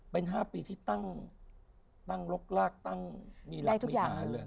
เป็น๕ปีที่ตั้งรกลากตั้งมีหลักมีทานเลย